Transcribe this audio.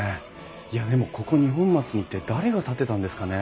いやでもここ二本松に一体誰が建てたんですかね？